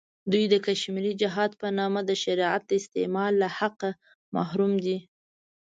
دوی د کشمیري جهاد په نامه د شریعت د استعمال له حقه محروم دی.